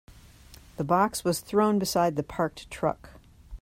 The box was thrown beside the parked truck.